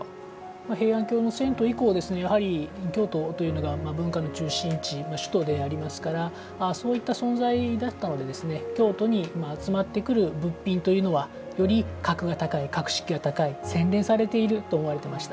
平安京の遷都以降京都というのが文化の中心地首都でありますからそういった存在だったので京都に集まってくる物品はより格が高い格式が高い、洗練されていると思われていました。